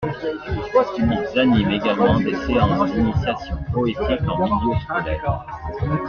Ils animent également des séances d'initiation poétique en milieu scolaire.